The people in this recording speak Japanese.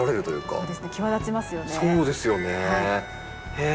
そうですね。